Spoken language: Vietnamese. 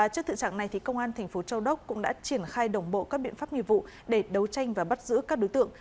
trước thực trạng này công an thành phố châu đốc cũng đã triển khai đồng bộ các biện pháp nghiệp vụ để đấu tranh và bắt giữ các đối tượng